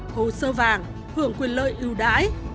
hồ sơ vàng hưởng quyền lợi ưu đãi